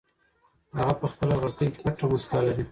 هغه په خپلې غړکۍ کې پټه موسکا لري.